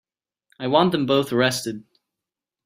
I want them both arrested.